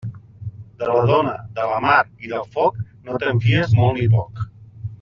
De la dona, de la mar i del foc, no te'n fies molt ni poc.